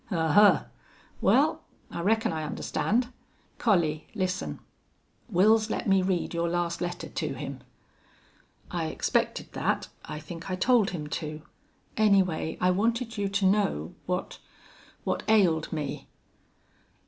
"Ahuh! Well, I reckon I understand. Collie, listen. Wils let me read your last letter to him." "I expected that. I think I told him to. Anyway, I wanted you to know what what ailed me."